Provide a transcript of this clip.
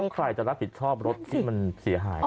ใครจะรับผิดชอบรถที่มันเสียหาย